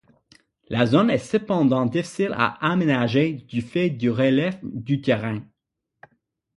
La zone est cependant difficile à aménager du fait du relief du terrain.